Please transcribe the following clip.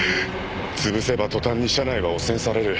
潰せば途端に車内は汚染される。